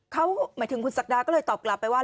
เขาหมายถึงคุณศักดาก็เลยตอบกลับไปว่า